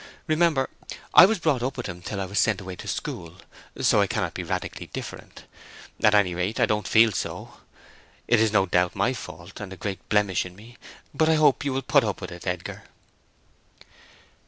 Remember, I was brought up with him till I was sent away to school, so I cannot be radically different. At any rate, I don't feel so. That is, no doubt, my fault, and a great blemish in me. But I hope you will put up with it, Edgar."